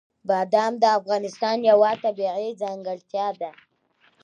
بادام د افغانستان یوه طبیعي ځانګړتیا ده.